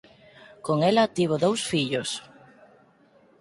Con ela tivo dous fillos.